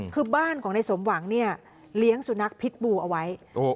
คือบ้านของนายสมหวังเนี่ยเลี้ยงสุนัขพิษบูเอาไว้